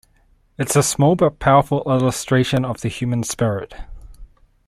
It's a small but powerful illustration of the human spirit.